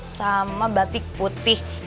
sama batik putih